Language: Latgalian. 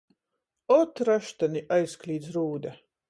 "Ot, raštani!" aizklīdz Rūde.